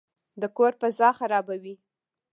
د کور فضا خرابوي.